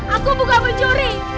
aku bukan pencuri